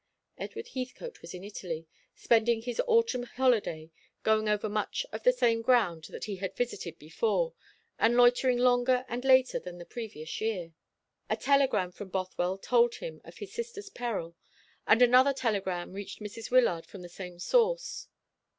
Edward Heathcote was in Italy, spending his autumn holiday, going over much of the same ground that he had visited before, and loitering longer and later than the previous year. A telegram from Bothwell told him of his sister's peril; and another telegram reached Mrs. Wyllard from the same source.